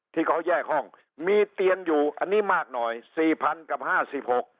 ที่เขาแยกห้องมีเตียงอยู่อันนี้มากหน่อย๔๐๐๐กับ๕๖